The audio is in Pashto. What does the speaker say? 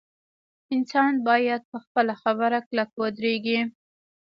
انسان باید په خپله خبره کلک ودریږي.